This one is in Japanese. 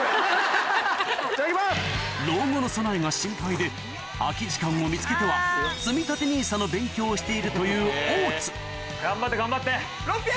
で空き時間を見つけてはつみたてＮＩＳＡの勉強をしているという大津頑張って頑張って。